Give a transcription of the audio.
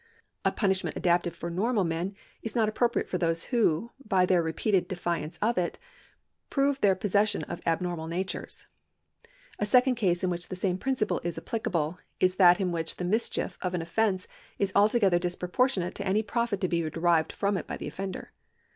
A punishment adapted for normal men is not appropriate for those who, by their repeated defiance of it, prove their possession of abnormal natures. A second case in which the same principle is applicable is that in which the mischief of an offence is altogether disproportionate to any profit to be derived from it by the oftender.